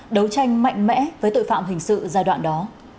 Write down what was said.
đấu tranh mạnh mẽ với tội phạm hình sự giai đoạn đó